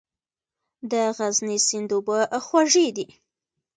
د غزني سیند اوبه خوږې دي